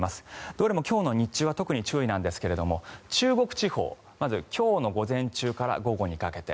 どれも今日の日中は特に注意なんですが中国地方、まず今日の午前中から午後にかけて。